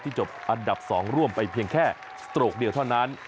จบอันดับ๒ร่วมไปเพียงแค่สโตรกเดียวเท่านั้น